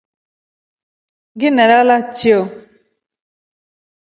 Nginda lala chio.